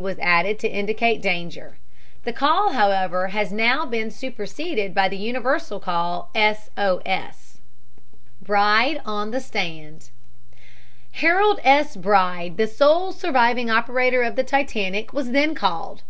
was added to indicate danger. The call, however, now has been superseded by the universal call, 'S. O. S.'" BRIDE ON THE STAND Harold S. Bride, the sole surviving operator of the Titanic, was then called.